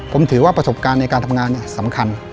ผมถือว่าประสบการณ์ในการทำงานสำคัญ